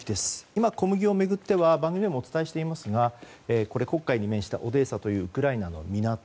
今、小麦を巡っては番組でもお伝えしていますが黒海に面したオデーサというウクライナの港